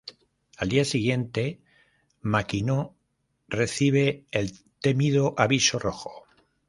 Al día siguiente, Makino recibe el temido aviso rojo.